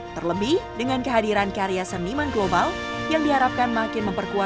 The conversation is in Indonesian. terlebih dengan kehadiran karya seniman global yang diharapkan makin memperkuatkan